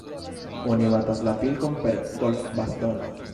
Oni batas la pilkon per golfbastono.